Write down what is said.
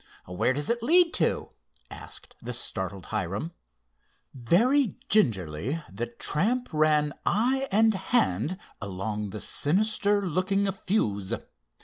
"Where does it lead to?" asked the startled Hiram. Very gingerly the tramp ran eye and hand along the sinister looking fuse.